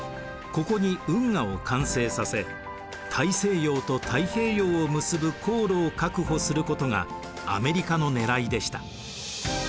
ここに運河を完成させ大西洋と太平洋を結ぶ航路を確保することがアメリカのねらいでした。